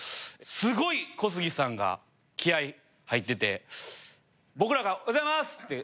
すごい小杉さんが気合い入ってて僕らがおはようございます！って